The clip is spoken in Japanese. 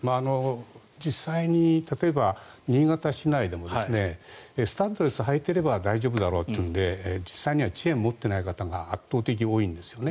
実際に例えば、新潟市内でもスタッドレスを履いていれば大丈夫だろうっていうので実際にはチェーンを持ってない人が圧倒的に多いんですよね。